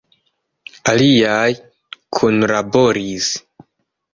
Aliaj kunlaboris.